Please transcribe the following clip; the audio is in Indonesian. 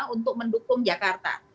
untuk mendukung jakarta